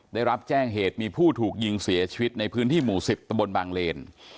ได้รับแจ้งเหตุมีผู้ถูกยิงเสียชีวิตในพื้นที่หมู่๑๐ตะบนบางเลน